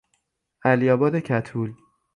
علیآباد کتول